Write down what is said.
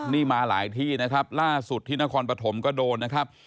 นี่มาหลายที่นะครับล่าสุดที่นครปฐมก็โดนนะครับ